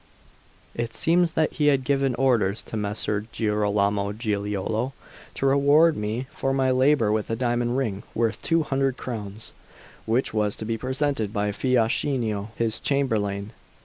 It seems that he had given orders to Messer Girolamo Giliolo to reward me for my labour with a diamond ring worth two hundred crowns, which was to be presented by Fiaschino, his chamberlain.